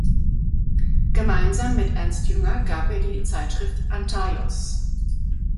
Gemeinsam mit Ernst Jünger gab er die Zeitschrift "Antaios.